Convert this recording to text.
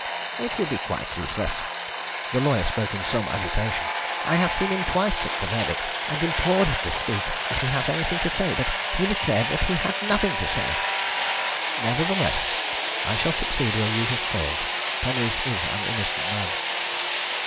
"It would be quite useless." The lawyer spoke in some agitation. "I have seen him twice since the verdict, and implored him to speak if he has anything to say, but he declared that he had nothing to say." "Nevertheless, I shall succeed where you have failed. Penreath is an innocent man."